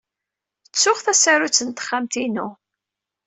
Ttuɣ tasarut n texxamt-inu.